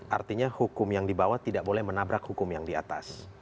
artinya hukum yang dibawa tidak boleh menabrak hukum yang di atas